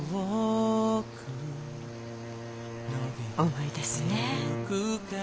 思い出すね。